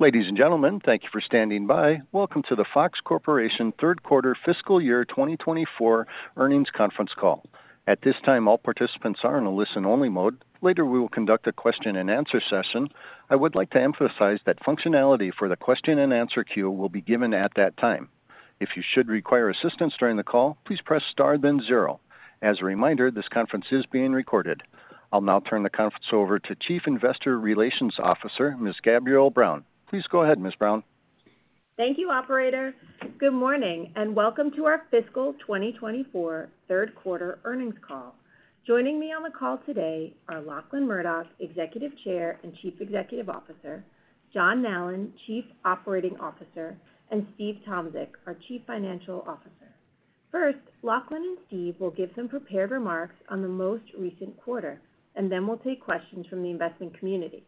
Ladies and gentlemen, thank you for standing by. Welcome to the Fox Corporation third quarter fiscal year 2024 earnings conference call. At this time, all participants are in a listen-only mode. Later, we will conduct a question-and-answer session. I would like to emphasize that functionality for the question-and-answer queue will be given at that time. If you should require assistance during the call, please press star, then zero. As a reminder, this conference is being recorded. I'll now turn the conference over to Chief Investor Relations Officer, Ms. Gabrielle Brown. Please go ahead, Ms. Brown. Thank you, operator. Good morning, and welcome to our fiscal 2024 third quarter earnings call. Joining me on the call today are Lachlan Murdoch, Executive Chair and Chief Executive Officer, John Nallen, Chief Operating Officer, and Steve Tomsic, our Chief Financial Officer. First, Lachlan and Steve will give some prepared remarks on the most recent quarter, and then we'll take questions from the investment community.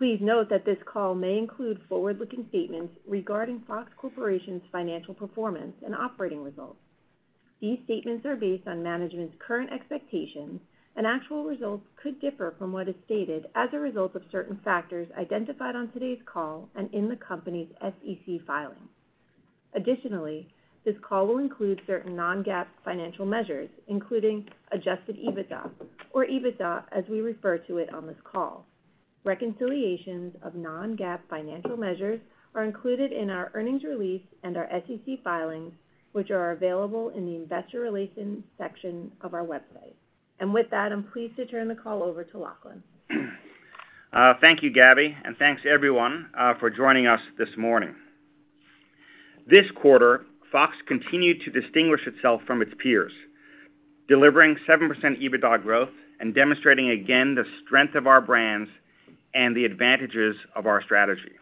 Please note that this call may include forward-looking statements regarding Fox Corporation's financial performance and operating results. These statements are based on management's current expectations, and actual results could differ from what is stated as a result of certain factors identified on today's call and in the company's SEC filings. Additionally, this call will include certain non-GAAP financial measures, including adjusted EBITA or EBITDA, as we refer to it on this call. Reconciliations of non-GAAP financial measures are included in our earnings release and our SEC filings, which are available in the Investor Relations section of our website. With that, I'm pleased to turn the call over to Lachlan. Thank you, Gabby, and thanks, everyone, for joining us this morning. This quarter, Fox continued to distinguish itself from its peers, delivering 7% EBITDA growth and demonstrating again the strength of our brands and the advantages of our strategy.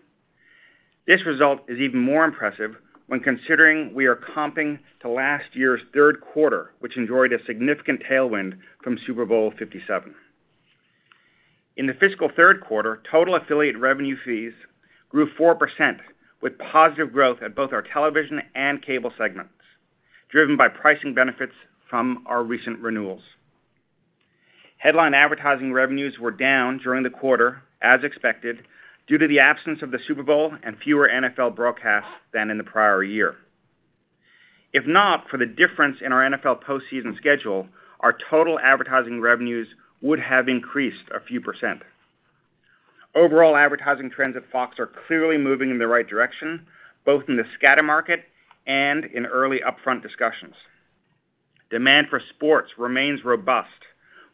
This result is even more impressive when considering we are comping to last year's third quarter, which enjoyed a significant tailwind from Super Bowl LVII. In the fiscal third quarter, total affiliate revenue fees grew 4%, with positive growth at both our television and cable segments, driven by pricing benefits from our recent renewals. Headline advertising revenues were down during the quarter, as expected, due to the absence of the Super Bowl and fewer NFL broadcasts than in the prior year. If not for the difference in our NFL postseason schedule, our total advertising revenues would have increased a few %. Overall advertising trends at Fox are clearly moving in the right direction, both in the scatter market and in early upfront discussions. Demand for sports remains robust,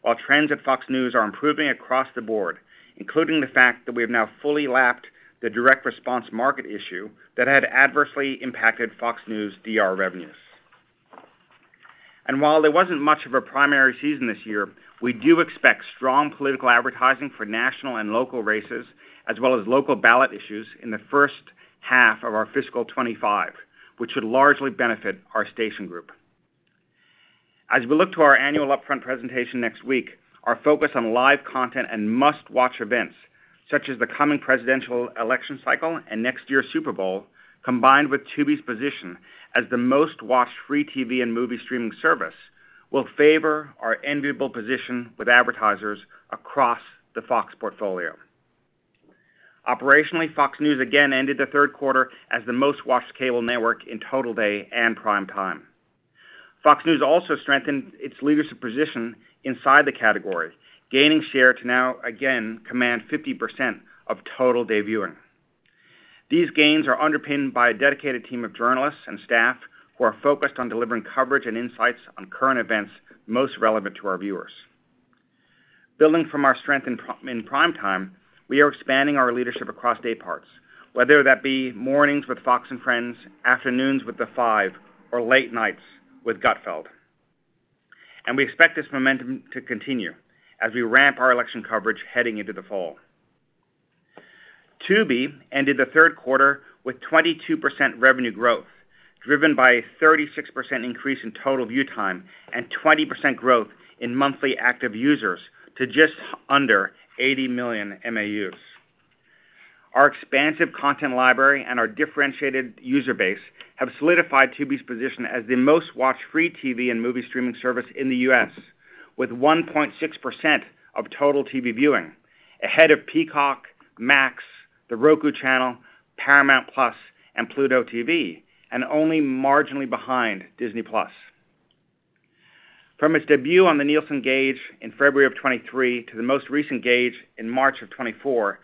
while trends at Fox News are improving across the board, including the fact that we have now fully lapped the direct response market issue that had adversely impacted Fox News DR revenues. While there wasn't much of a primary season this year, we do expect strong political advertising for national and local races, as well as local ballot issues in the first half of our fiscal 2025, which should largely benefit our station group. As we look to our annual Upfront presentation next week, our focus on live content and must-watch events, such as the coming presidential election cycle and next year's Super Bowl, combined with Tubi's position as the most-watched free TV and movie streaming service, will favor our enviable position with advertisers across the Fox portfolio. Operationally, Fox News again ended the third quarter as the most-watched cable network in total day and prime time. Fox News also strengthened its leadership position inside the category, gaining share to now again command 50% of total day viewing. These gains are underpinned by a dedicated team of journalists and staff who are focused on delivering coverage and insights on current events most relevant to our viewers. Building from our strength in programming in prime time, we are expanding our leadership across day parts, whether that be mornings with Fox & Friends, afternoons with The Five, or late nights with Gutfeld!. We expect this momentum to continue as we ramp our election coverage heading into the fall. Tubi ended the third quarter with 22% revenue growth, driven by a 36% increase in total view time and 20% growth in monthly active users to just under 80 million MAUs. Our expansive content library and our differentiated user base have solidified Tubi's position as the most-watched free TV and movie streaming service in the U.S., with 1.6% of total TV viewing, ahead of Peacock, Max, The Roku Channel, Paramount plus, and Pluto TV, and only marginally behind Disney plus. From its debut on the Nielsen Gauge in February 2023 to the most recent gauge in March 2024,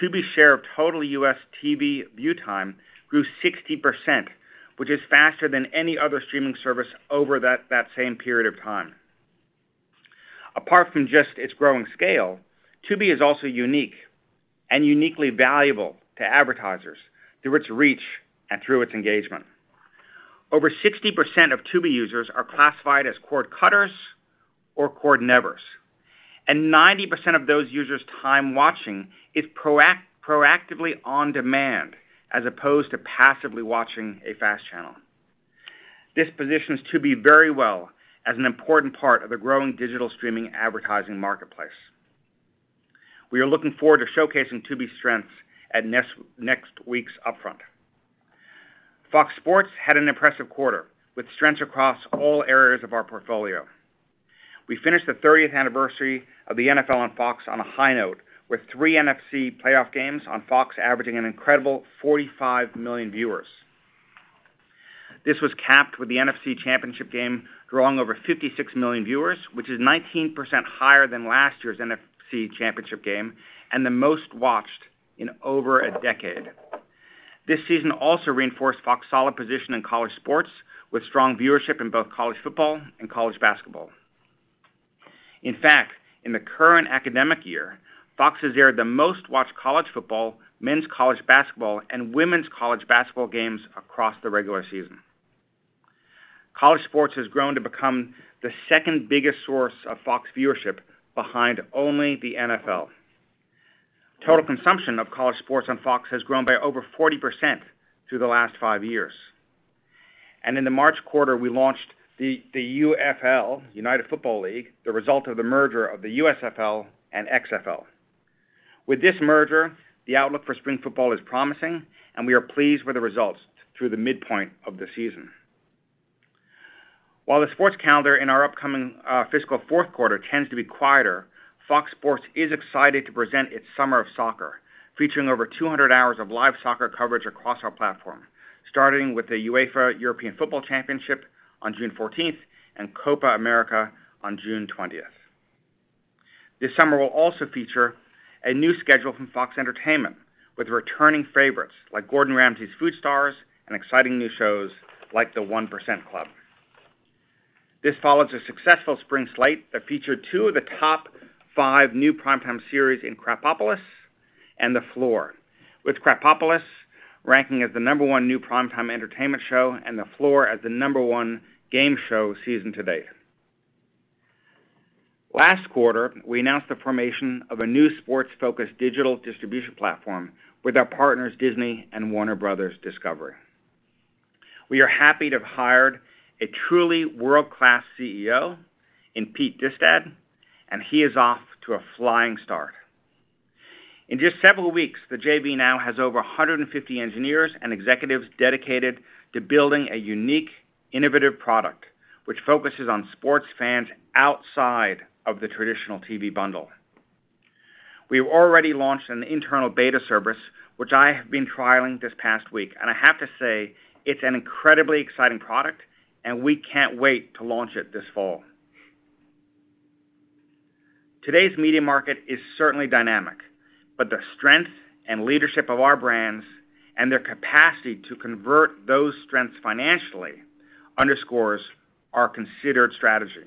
Tubi's share of total U.S. TV view time grew 60%, which is faster than any other streaming service over that same period of time. Apart from just its growing scale, Tubi is also unique and uniquely valuable to advertisers through its reach and through its engagement. Over 60% of Tubi users are classified as cord cutters or cord nevers, and 90% of those users' time watching is proactively on demand, as opposed to passively watching a FAST channel. This positions Tubi very well as an important part of the growing digital streaming advertising marketplace. We are looking forward to showcasing Tubi's strengths at next week's Upfront. Fox Sports had an impressive quarter, with strengths across all areas of our portfolio. We finished the 30th anniversary of the NFL on Fox on a high note, with three NFC playoff games on Fox, averaging an incredible 45 million viewers. This was capped with the NFC Championship Game, drawing over 56 million viewers, which is 19% higher than last year's NFC Championship Game, and the most-watched in over a decade. This season also reinforced Fox's solid position in college sports, with strong viewership in both college football and college basketball. In fact, in the current academic year, Fox has aired the most-watched college football, men's college basketball, and women's college basketball games across the regular season. College sports has grown to become the second biggest source of Fox viewership, behind only the NFL. Total consumption of college sports on Fox has grown by over 40% through the last 5 years. And in the March quarter, we launched the UFL, United Football League, the result of the merger of the USFL and XFL. With this merger, the outlook for spring football is promising, and we are pleased with the results through the midpoint of the season. While the sports calendar in our upcoming fiscal fourth quarter tends to be quieter, Fox Sports is excited to present its Summer of Soccer, featuring over 200 hours of live soccer coverage across our platform, starting with the UEFA European Football Championship on June 14th and Copa América on June 20th. This summer will also feature a new schedule from Fox Entertainment, with returning favorites like Gordon Ramsay's Food Stars and exciting new shows like The 1% Club. This follows a successful spring slate that featured two of the top five new primetime series in Krapopolis and The Floor, with Krapopolis ranking as the number one new primetime entertainment show, and The Floor as the number one game show season to date. Last quarter, we announced the formation of a new sports-focused digital distribution platform with our partners, Disney and Warner Bros. Discovery. We are happy to have hired a truly world-class CEO in Pete Distad, and he is off to a flying start. In just several weeks, the JV now has over 150 engineers and executives dedicated to building a unique, innovative product, which focuses on sports fans outside of the traditional TV bundle. We've already launched an internal beta service, which I have been trialing this past week, and I have to say, it's an incredibly exciting product, and we can't wait to launch it this fall. Today's media market is certainly dynamic, but the strength and leadership of our brands, and their capacity to convert those strengths financially underscores our considered strategy.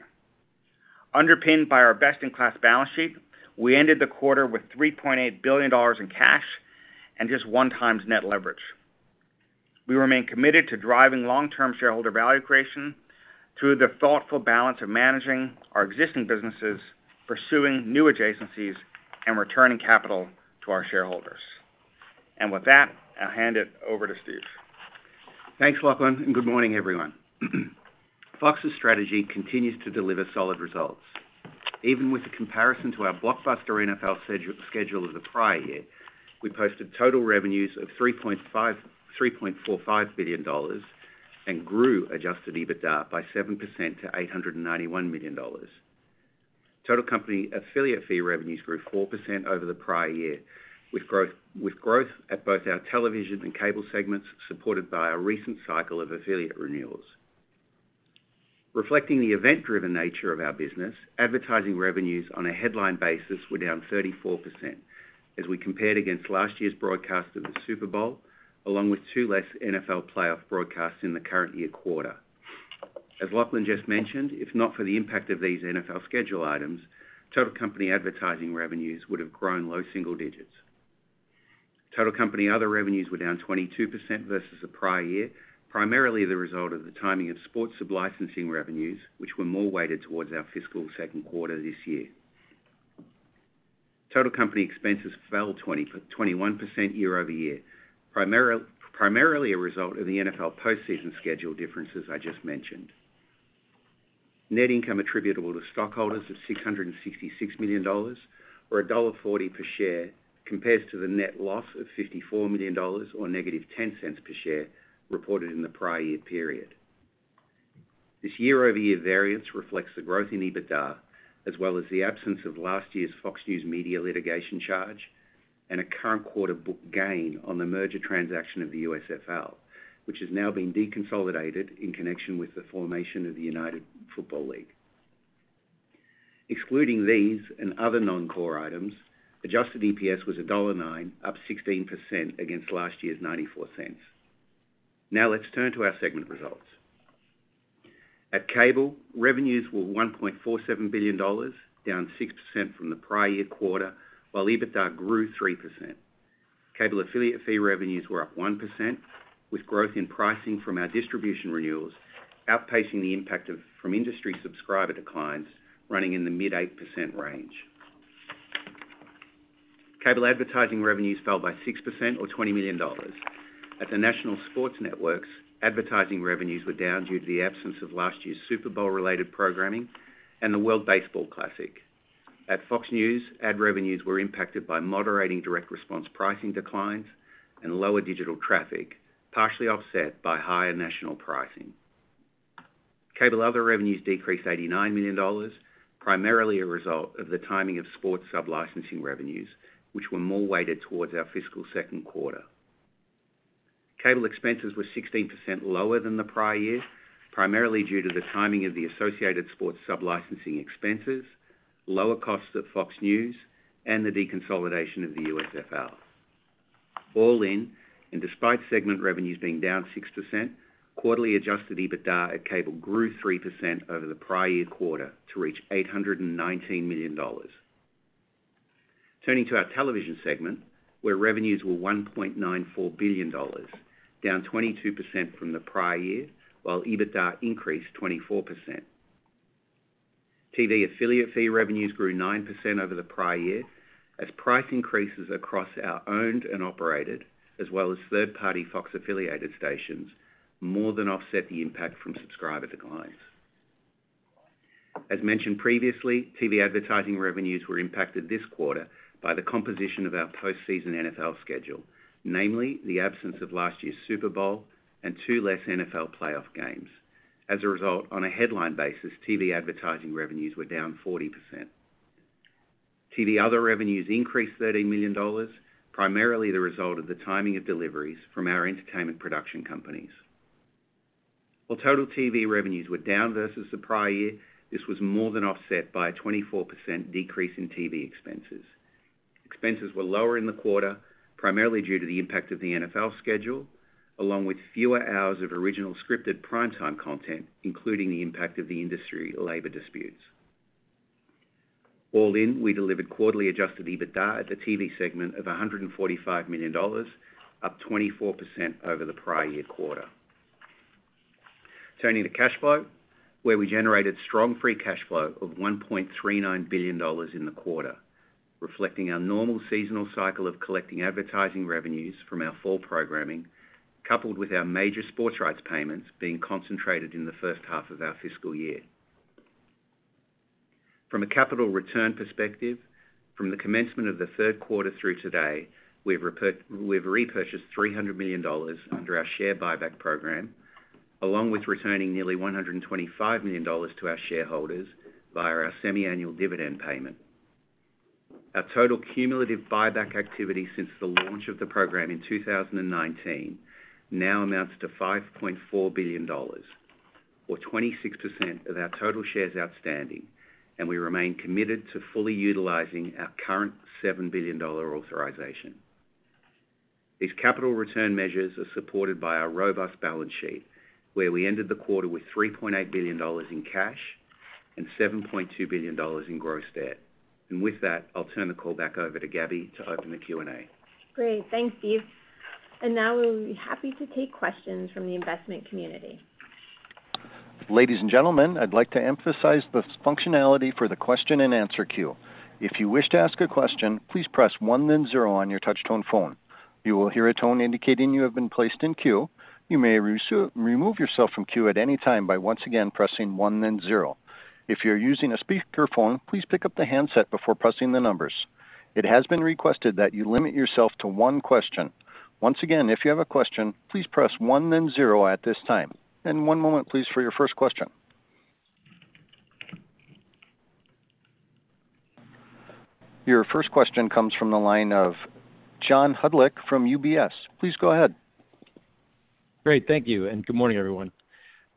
Underpinned by our best-in-class balance sheet, we ended the quarter with $3.8 billion in cash and just 1x net leverage. We remain committed to driving long-term shareholder value creation through the thoughtful balance of managing our existing businesses, pursuing new adjacencies, and returning capital to our shareholders. With that, I'll hand it over to Steve. Thanks, Lachlan, and good morning, everyone. Fox's strategy continues to deliver solid results. Even with the comparison to our blockbuster NFL schedule of the prior year, we posted total revenues of $3.45 billion and grew Adjusted EBITDA by 7% to $891 million. Total company affiliate fee revenues grew 4% over the prior year, with growth, with growth at both our television and cable segments, supported by a recent cycle of affiliate renewals. Reflecting the event-driven nature of our business, advertising revenues on a headline basis were down 34%, as we compared against last year's broadcast of the Super Bowl, along with two less NFL playoff broadcasts in the current year quarter. As Lachlan just mentioned, if not for the impact of these NFL schedule items, total company advertising revenues would have grown low single digits. Total company other revenues were down 22% versus the prior year, primarily the result of the timing of sports sublicensing revenues, which were more weighted towards our fiscal second quarter this year. Total company expenses 21% YoY, primarily a result of the NFL postseason schedule differences I just mentioned. Net income attributable to stockholders of $666 million or $1.40 per share compares to the net loss of $54 million or -$0.10 per share reported in the prior year period. This YoY variance reflects the growth in EBITDA, as well as the absence of last year's Fox News Media litigation charge and a current quarter book gain on the merger transaction of the USFL, which has now been deconsolidated in connection with the formation of the United Football League. Excluding these and other non-core items, adjusted EPS was $1.09, up 16% against last year's $0.94. Now let's turn to our segment results. At Cable, revenues were $1.47 billion, down 6% from the prior-year quarter, while EBITDA grew 3%. Cable affiliate fee revenues were up 1%, with growth in pricing from our distribution renewals, outpacing the impact from industry subscriber declines running in the mid-8% range. Cable advertising revenues fell by 6% or $20 million. At the national sports networks, advertising revenues were down due to the absence of last year's Super Bowl-related programming and the World Baseball Classic. At Fox News, ad revenues were impacted by moderating direct response pricing declines and lower digital traffic, partially offset by higher national pricing. Cable other revenues decreased $89 million, primarily a result of the timing of sports sub-licensing revenues, which were more weighted towards our fiscal second quarter. Cable expenses were 16% lower than the prior year, primarily due to the timing of the associated sports sub-licensing expenses, lower costs at Fox News, and the deconsolidation of the USFL. All in, and despite segment revenues being down 6%, quarterly Adjusted EBITDA at Cable grew 3% over the prior year quarter to reach $819 million. Turning to our television segment, where revenues were $1.94 billion, down 22% from the prior year, while EBITDA increased 24%. TV affiliate fee revenues grew 9% over the prior year, as price increases across our owned and operated, as well as third-party Fox-affiliated stations, more than offset the impact from subscriber declines. As mentioned previously, TV advertising revenues were impacted this quarter by the composition of our post-season NFL schedule, namely the absence of last year's Super Bowl and two less NFL playoff games. As a result, on a headline basis, TV advertising revenues were down 40%. TV other revenues increased $13 million, primarily the result of the timing of deliveries from our entertainment production companies. While total TV revenues were down versus the prior year, this was more than offset by a 24% decrease in TV expenses. Expenses were lower in the quarter, primarily due to the impact of the NFL schedule, along with fewer hours of original scripted primetime content, including the impact of the industry labor disputes. All in, we delivered quarterly Adjusted EBITDA at the TV segment of $145 million, up 24% over the prior year quarter. Turning to cash flow, where we generated strong free cash flow of $1.39 billion in the quarter, reflecting our normal seasonal cycle of collecting advertising revenues from our fall programming, coupled with our major sports rights payments being concentrated in the first half of our fiscal year. From a capital return perspective, from the commencement of the third quarter through today, we've repurchased $300 million under our share buyback program, along with returning nearly $125 million to our shareholders via our semiannual dividend payment. Our total cumulative buyback activity since the launch of the program in 2019 now amounts to $5.4 billion, or 26% of our total shares outstanding, and we remain committed to fully utilizing our current $7 billion authorization. These capital return measures are supported by our robust balance sheet, where we ended the quarter with $3.8 billion in cash and $7.2 billion in gross debt. With that, I'll turn the call back over to Gabby to open the Q&A. Great. Thanks, Steve. Now we'll be happy to take questions from the investment community. Ladies and gentlemen, I'd like to emphasize the functionality for the question-and-answer queue. If you wish to ask a question, please press one then zero on your touch-tone phone. You will hear a tone indicating you have been placed in queue. You may remove yourself from queue at any time by once again pressing one then zero. If you're using a speakerphone, please pick up the handset before pressing the numbers. It has been requested that you limit yourself to one question. Once again, if you have a question, please press one then zero at this time. One moment, please, for your first question. Your first question comes from the line of John Hodulik from UBS. Please go ahead. Great, thank you, and good morning, everyone.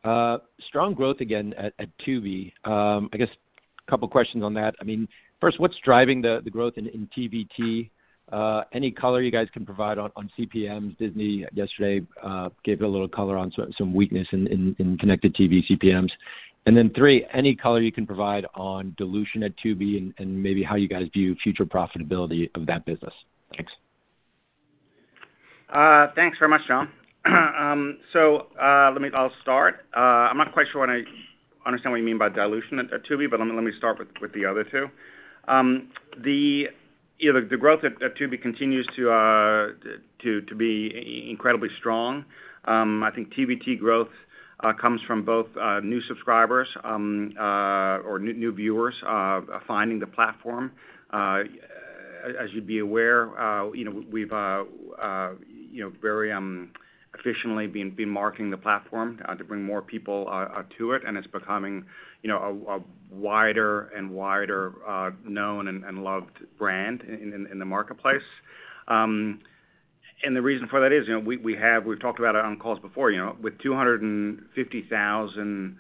Strong growth again at Tubi. I guess a couple of questions on that. I mean, first, what's driving the growth in TVT? Any color you guys can provide on CPMs? Disney, yesterday, gave a little color on some weakness in connected TV CPMs. And then three, any color you can provide on dilution at Tubi and maybe how you guys view future profitability of that business? Thanks. Thanks very much, John. So, let me... I'll start. I'm not quite sure when I understand what you mean by dilution at Tubi, but let me start with the other two. You know, the growth at Tubi continues to be incredibly strong. I think TVT growth comes from both new subscribers or new viewers finding the platform. As you'd be aware, you know, we've very efficiently been marketing the platform to bring more people to it, and it's becoming, you know, a wider and wider known and loved brand in the marketplace. And the reason for that is, you know, we have we've talked about it on calls before, you know, with 250,000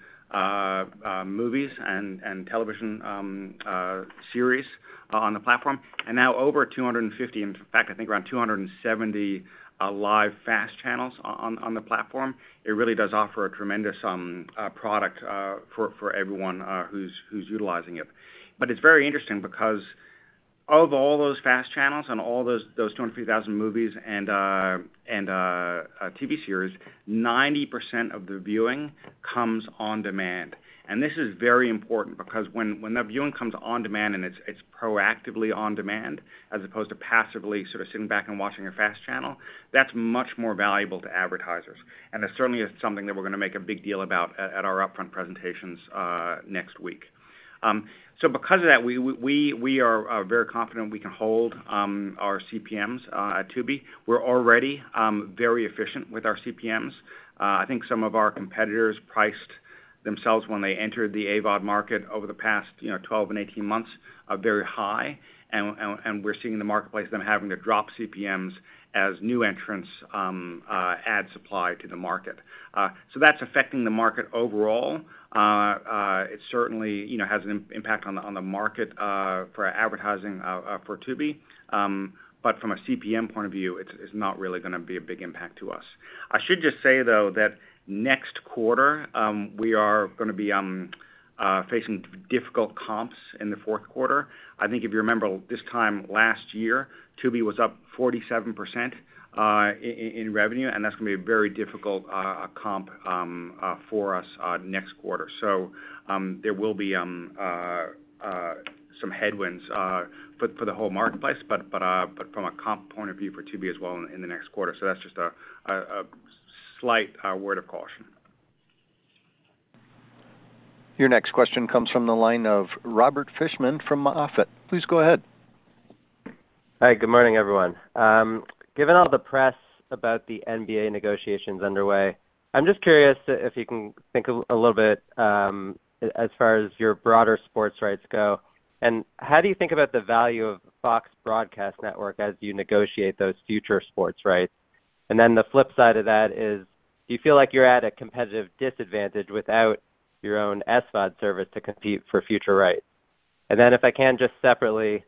movies and television series on the platform, and now over 250, in fact, I think around 270 live fast channels on the platform, it really does offer a tremendous product for everyone who's utilizing it. But it's very interesting because,... Of all those FAST channels and all those 250,000 movies and a TV series, 90% of the viewing comes on demand. This is very important because when that viewing comes on demand and it's proactively on demand, as opposed to passively sort of sitting back and watching a FAST channel, that's much more valuable to advertisers. And that certainly is something that we're gonna make a big deal about at our Upfront presentations next week. So because of that, we are very confident we can hold our CPMs at Tubi. We're already very efficient with our CPMs. I think some of our competitors priced themselves when they entered the AVOD market over the past, you know, 12 and 18 months very high. We're seeing in the marketplace them having to drop CPMs as new entrants add supply to the market. So that's affecting the market overall. It certainly, you know, has an impact on the market for advertising for Tubi. But from a CPM point of view, it's not really gonna be a big impact to us. I should just say, though, that next quarter we are gonna be facing difficult comps in the fourth quarter. I think if you remember, this time last year, Tubi was up 47% in revenue, and that's gonna be a very difficult comp for us next quarter. So, there will be some headwinds for the whole marketplace, but from a comp point of view for Tubi as well in the next quarter. So that's just a slight word of caution. Your next question comes from the line of Robert Fishman from Moffett. Please go ahead. Hi, good morning, everyone. Given all the press about the NBA negotiations underway, I'm just curious if you can think a little bit as far as your broader sports rights go. And how do you think about the value of Fox broadcast network as you negotiate those future sports rights? And then the flip side of that is, do you feel like you're at a competitive disadvantage without your own SVOD service to compete for future rights? And then if I can, just separately,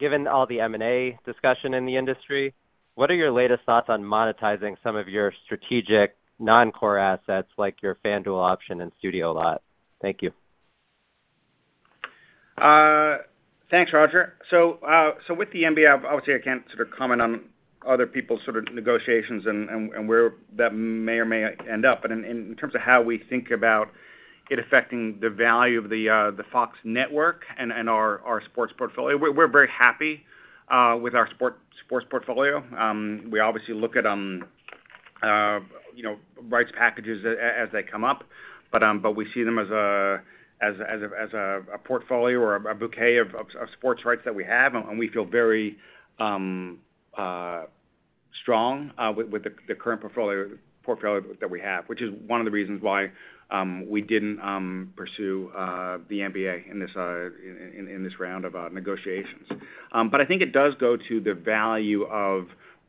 given all the M&A discussion in the industry, what are your latest thoughts on monetizing some of your strategic non-core assets, like your FanDuel option and Studio Lot? Thank you. Thanks, Roger. So with the NBA, obviously, I can't sort of comment on other people's sort of negotiations and where that may or may end up. But in terms of how we think about it affecting the value of the Fox network and our sports portfolio, we're very happy with our sports portfolio. We obviously look at, you know, rights packages as they come up, but we see them as a portfolio or a bouquet of sports rights that we have, and we feel very strong with the current portfolio that we have, which is one of the reasons why we didn't pursue the NBA in this round of negotiations. But I think it does go to the value of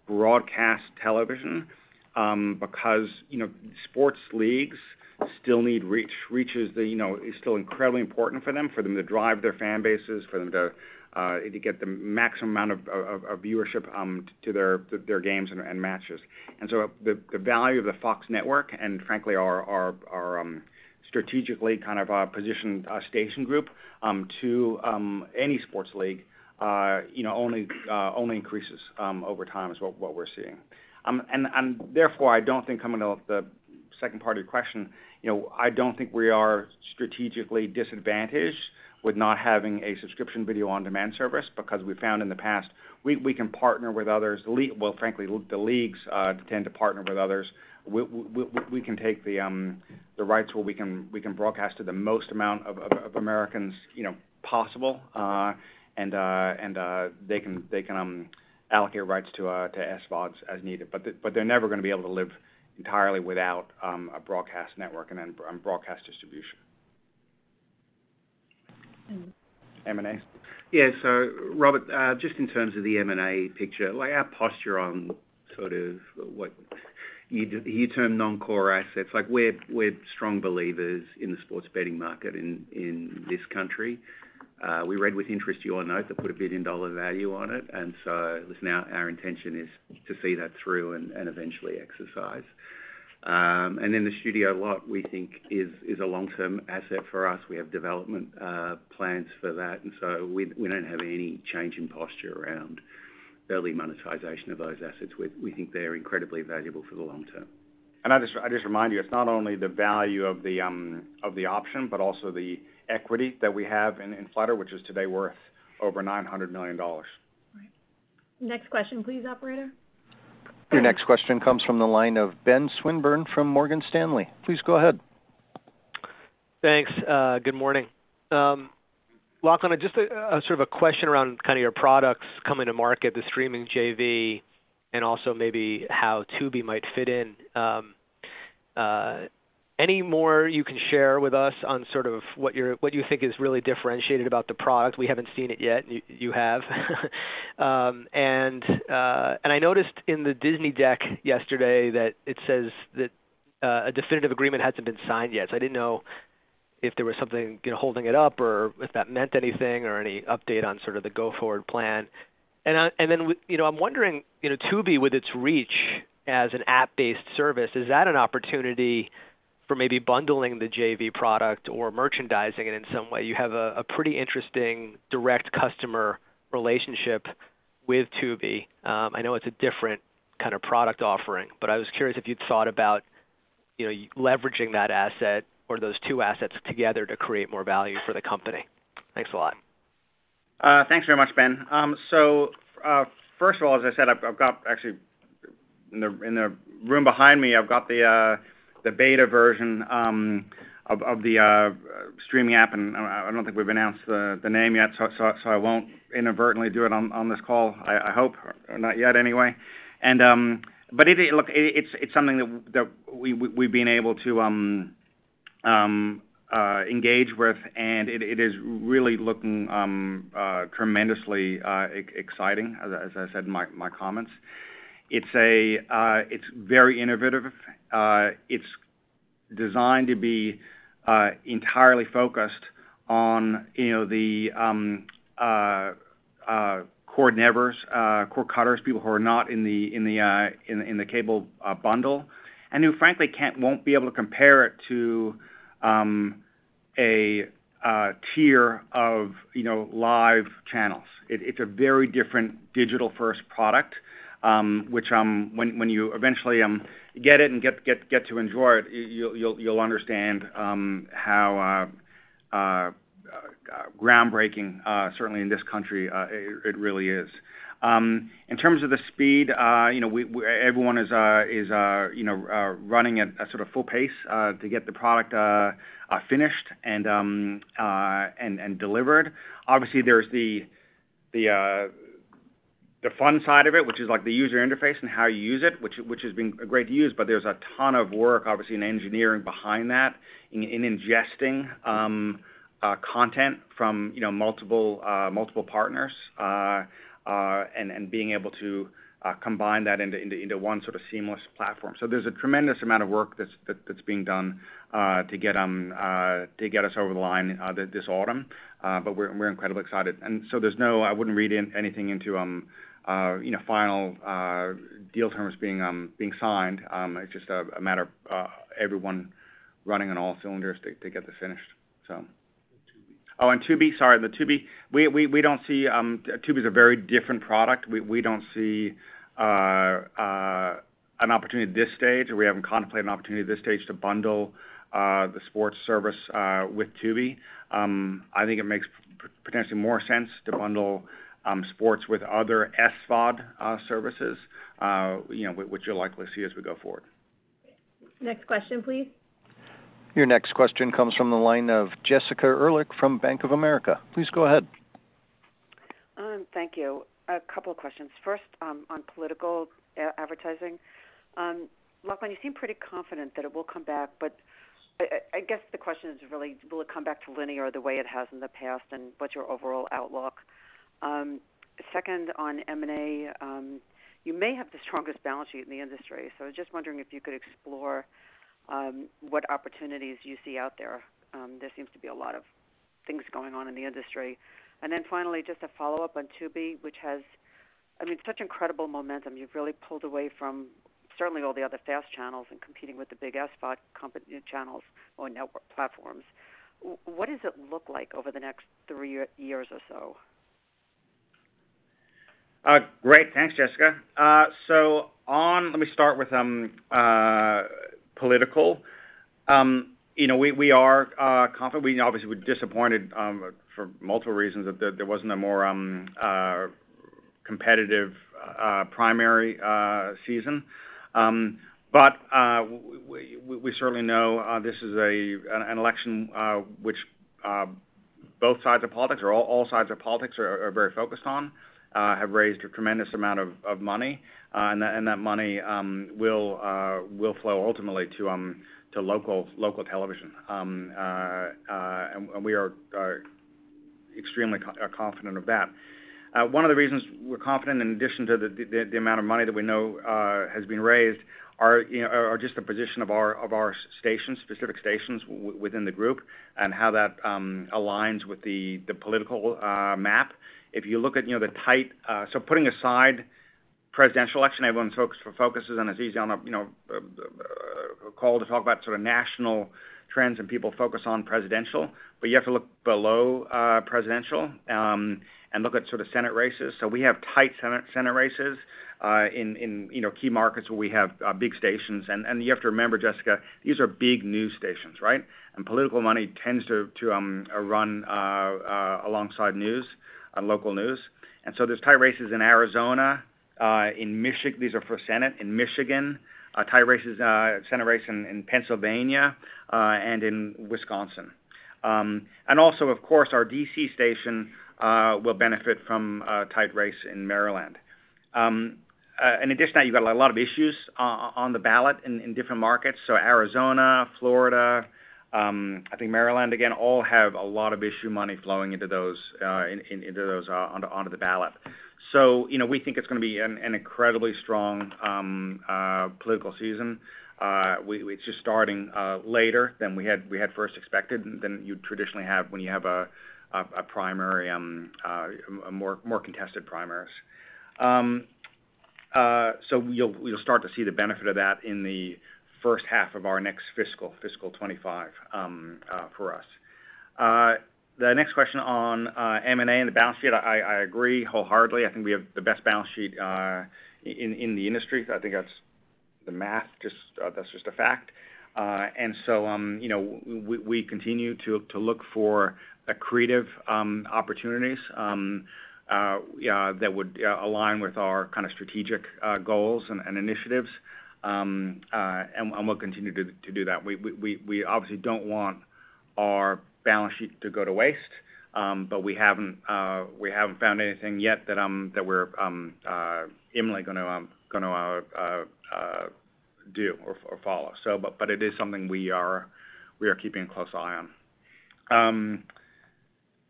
broadcast television, because, you know, sports leagues still need reach. Reach is, you know, still incredibly important for them to drive their fan bases, for them to get the maximum amount of viewership to their games and matches. So the value of the Fox network and frankly, our strategically kind of positioned station group to any sports league you know only increases over time is what we're seeing. And therefore, I don't think coming to the second part of your question, you know, I don't think we are strategically disadvantaged with not having a subscription video-on-demand service because we found in the past, we can partner with others. Well, frankly, the leagues tend to partner with others. We can take the rights where we can broadcast to the most amount of Americans you know possible and they can allocate rights to SVODs as needed. But they're never gonna be able to live entirely without a broadcast network and then broadcast distribution. M&A? Yeah. So Robert, just in terms of the M&A picture, like our posture on sort of what you term non-core assets, like we're strong believers in the sports betting market in this country. We read with interest your note that put a $1 billion value on it, and so listen, our intention is to see that through and eventually exercise. And in the Studio Lot, we think is a long-term asset for us. We have development plans for that, and so we don't have any change in posture around early monetization of those assets. We think they're incredibly valuable for the long term. I just remind you, it's not only the value of the option, but also the equity that we have in Flutter, which is today worth over $900 million. Right. Next question, please, operator. Your next question comes from the line of Ben Swinburne from Morgan Stanley. Please go ahead. Thanks. Good morning. Lachlan, just sort of a question around kind of your products coming to market, the streaming JV, and also maybe how Tubi might fit in. Any more you can share with us on sort of what you think is really differentiated about the product? We haven't seen it yet, you have. And I noticed in the Disney deck yesterday that it says that a definitive agreement hasn't been signed yet. So I didn't know if there was something, you know, holding it up, or if that meant anything, or any update on sort of the go-forward plan? And then with, you know, I'm wondering, you know, Tubi, with its reach as an app-based service, is that an opportunity for maybe bundling the JV product or merchandising it in some way? You have a pretty interesting direct customer relationship with Tubi. I know it's a different kind of product offering, but I was curious if you'd thought about, you know, leveraging that asset or those two assets together to create more value for the company. Thanks a lot. Thanks very much, Ben. First of all, as I said, I've got—actually, in the room behind me, I've got the beta version of the streaming app, and I don't think we've announced the name yet, so I won't inadvertently do it on this call, I hope, not yet anyway. But it. Look, it's something that we've been able to engage with, and it is really looking tremendously exciting, as I said in my comments. It's very innovative. It's designed to be entirely focused on, you know, the cord nevers, cord cutters, people who are not in the cable bundle, and who, frankly, can't, won't be able to compare it to a tier of, you know, live channels. It's a very different digital-first product, which, when you eventually get it and get to enjoy it, you'll understand how groundbreaking, certainly in this country, it really is. In terms of the speed, you know, everyone is, you know, are running at a sort of full pace to get the product finished and delivered. Obviously, there's the fun side of it, which is, like, the user interface and how you use it, which has been great to use, but there's a ton of work, obviously, in engineering behind that, in ingesting content from, you know, multiple partners, and being able to combine that into one sort of seamless platform. So there's a tremendous amount of work that's being done to get us over the line this autumn. But we're incredibly excited. And so there's no- I wouldn't read in anything into you know, final deal terms being signed. It's just a matter of everyone running on all cylinders to get this finished, so. Tubi. Oh, and Tubi, sorry. Tubi, we don't see... Tubi's a very different product. We don't see an opportunity at this stage, or we haven't contemplated an opportunity at this stage to bundle the sports service with Tubi. I think it makes potentially more sense to bundle sports with other SVOD services, you know, which you'll likely see as we go forward. Next question, please. Your next question comes from the line of Jessica Reif Ehrlich from Bank of America. Please go ahead. Thank you. A couple of questions. First, on political advertising. Lachlan, you seem pretty confident that it will come back, but I guess the question is really: will it come back to linear the way it has in the past, and what's your overall outlook? Second, on M&A, you may have the strongest balance sheet in the industry, so just wondering if you could explore what opportunities you see out there. There seems to be a lot of things going on in the industry. And then finally, just a follow-up on Tubi, which has, I mean, such incredible momentum. You've really pulled away from certainly all the other FAST channels and competing with the big SVOD company channels or network platforms. What does it look like over the next three years or so? Great. Thanks, Jessica. So on... Let me start with political. You know, we are confident. We obviously were disappointed for multiple reasons that there wasn't a more competitive primary season. But we certainly know this is an election which both sides of politics or all sides of politics are very focused on, have raised a tremendous amount of money, and that money will flow ultimately to local television. And we are extremely confident of that. One of the reasons we're confident, in addition to the amount of money that we know has been raised, are you know just the position of our stations, specific stations within the group and how that aligns with the political map. If you look at you know the tight... So putting aside presidential election, everyone focuses on, it's easy on a you know a call to talk about sort of national trends, and people focus on presidential, but you have to look below presidential and look at sort of Senate races. So we have tight Senate races in you know key markets where we have big stations. And you have to remember, Jessica, these are big news stations, right? Political money tends to run alongside news, local news. So there's tight races in Arizona, in Michigan, these are for Senate, in Michigan, tight races, Senate races in Pennsylvania, and in Wisconsin. And also, of course, our D.C. station will benefit from a tight race in Maryland. And in addition to that, you've got a lot of issues on the ballot in different markets. So Arizona, Florida, I think Maryland, again, all have a lot of issue money flowing into those onto the ballot. So, you know, we think it's gonna be an incredibly strong political season. It's just starting later than we had first expected, than you traditionally have when you have a primary, a more contested primaries. So you'll start to see the benefit of that in the first half of our next fiscal 2025, for us. The next question on M&A and the balance sheet. I agree wholeheartedly. I think we have the best balance sheet in the industry. I think that's the math. Just, that's just a fact. And so, you know, we continue to look for accretive opportunities, yeah, that would align with our kind of strategic goals and initiatives. And we'll continue to do that. We obviously don't want our balance sheet to go to waste, but we haven't found anything yet that we're immediately gonna do or follow. But it is something we are keeping a close eye on.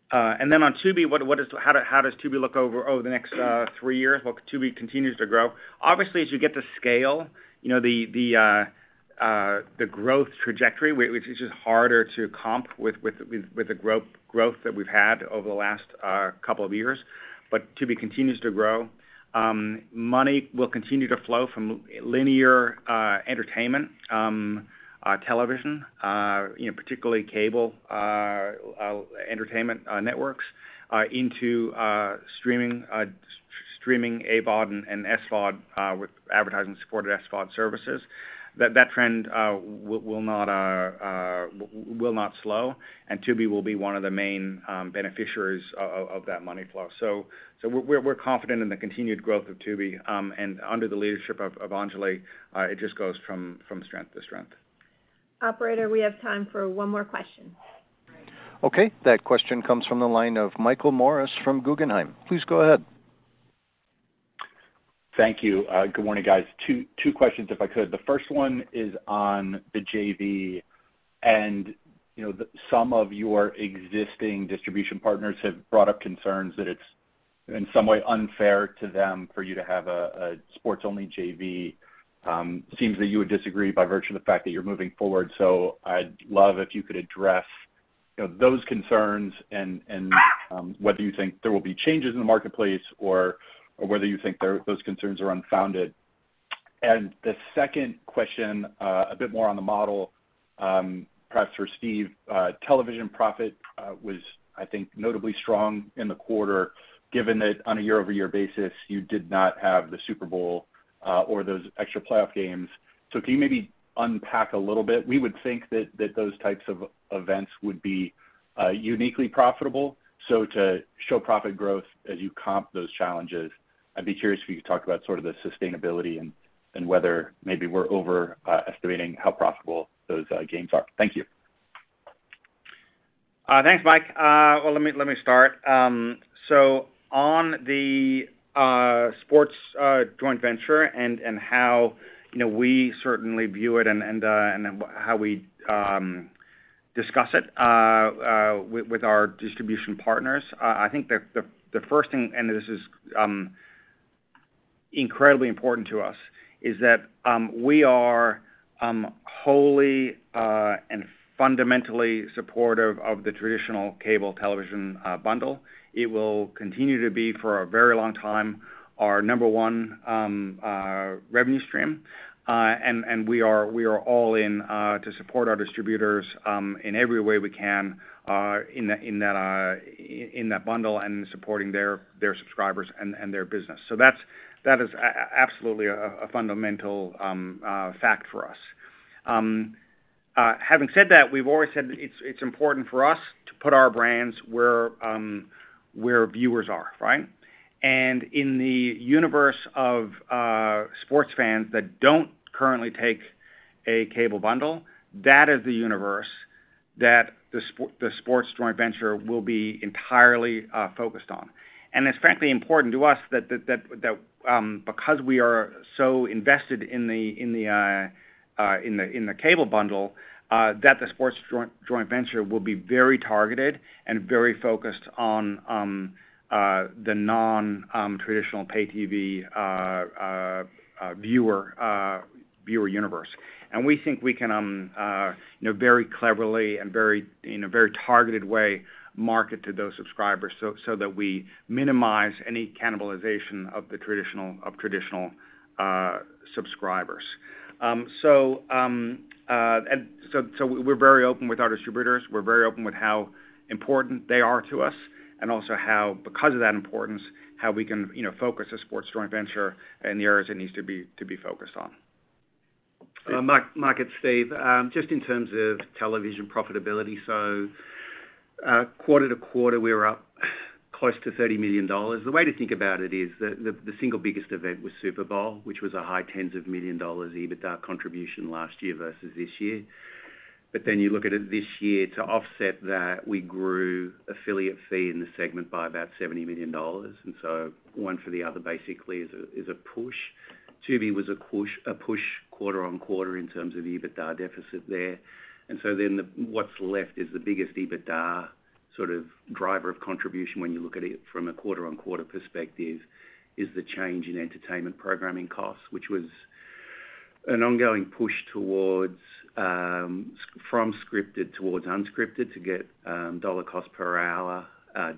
And then on Tubi, how does Tubi look over the next three years? Well, Tubi continues to grow. Obviously, as you get to scale, you know, the growth trajectory, which is just harder to comp with the growth that we've had over the last couple of years. But Tubi continues to grow. Money will continue to flow from linear entertainment television, you know, particularly cable entertainment networks into streaming streaming AVOD and, and SVOD with advertising-supported SVOD services. That, that trend will, will not slow, and Tubi will be one of the main beneficiaries of, of that money flow. So, so we're, we're confident in the continued growth of Tubi and under the leadership of, of Anjali it just goes from, from strength to strength. Operator, we have time for one more question. Okay, that question comes from the line of Michael Morris from Guggenheim. Please go ahead. Thank you. Good morning guys. Two questions, if I could. The first one is on the JV and, you know, some of your existing distribution partners have brought up concerns that it's, in some way, unfair to them for you to have a sports-only JV. Seems that you would disagree by virtue of the fact that you're moving forward. So I'd love if you could address, you know, those concerns and whether you think there will be changes in the marketplace, or whether you think those concerns are unfounded. The second question, a bit more on the model, perhaps for Steve. Television profit was, I think, notably strong in the quarter, given that on a YoY basis, you did not have the Super Bowl or those extra playoff games. So can you maybe unpack a little bit? We would think that, that those types of events would be uniquely profitable. So to show profit growth as you comp those challenges, I'd be curious if you could talk about sort of the sustainability and, and whether maybe we're overestimating how profitable those games are. Thank you. Thanks, Mike. Well, let me start. So on the sports joint venture and how, you know, we certainly view it and then how we discuss it with our distribution partners, I think the first thing, and this is incredibly important to us, is that we are wholly and fundamentally supportive of the traditional cable television bundle. It will continue to be, for a very long time, our number one revenue stream. And we are all in to support our distributors in every way we can, in that bundle and supporting their subscribers and their business. So that's, that is absolutely a fundamental fact for us. Having said that, we've always said it's important for us to put our brands where viewers are, right? And in the universe of sports fans that don't currently take a cable bundle, that is the universe that the sports joint venture will be entirely focused on. And it's frankly important to us that because we are so invested in the cable bundle that the sports joint venture will be very targeted and very focused on the non traditional pay TV viewer universe. And we think we can, you know, very cleverly and very, in a very targeted way, market to those subscribers so that we minimize any cannibalization of the traditional of traditional subscribers. So we're very open with our distributors. We're very open with how important they are to us and also how, because of that importance, how we can, you know, focus a sports joint venture in the areas it needs to be, to be focused on. Mike, Mike, it's Steve. Just in terms of television profitability, so, quarter to quarter, we were up close to $30 million. The way to think about it is that the single biggest event was Super Bowl, which was a high tens of millions dollars EBITDA contribution last year versus this year. But then you look at it this year, to offset that, we grew affiliate fee in the segment by about $70 million. And so one for the other basically is a push. Tubi was a push, a push quarter on quarter in terms of EBITDA deficit there. And so then the... What's left is the biggest EBITDA sort of driver of contribution when you look at it from a quarter-on-quarter perspective, is the change in entertainment programming costs, which was an ongoing push towards from scripted towards unscripted to get dollar cost per hour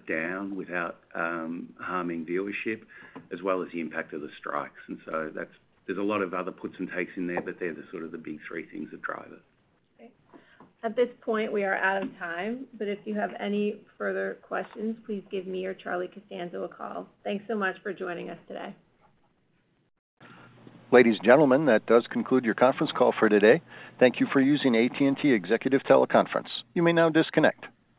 down without harming viewership, as well as the impact of the strikes. So that's-- there's a lot of other puts and takes in there, but they're the sort of the big three things that drive it. Great. At this point, we are out of time, but if you have any further questions, please give me or Charlie Cenatiempo a call. Thanks so much for joining us today. Ladies and gentlemen, that does conclude your conference call for today. Thank you for using AT&T Executive Teleconference. You may now disconnect.